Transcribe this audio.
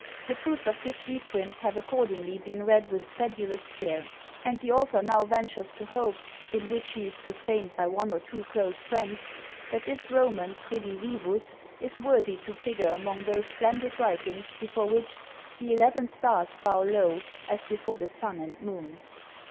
The proofs of this reprint have accordingly been read with sedulous care ; and the author now ventures to hope, in which he is sustained by one or two close friends, that this romance rediciuus is worthy to figure among those splendid writings before which " the eleven stars bow low, as before the sun and moon."